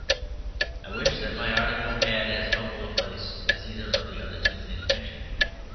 I wish that my articles had as noble a place as either of the other two things mentioned.